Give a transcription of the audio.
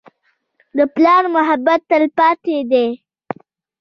د پلار محبت تلپاتې دی.